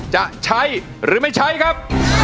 จะใช้หรือไม่ใช้ครับ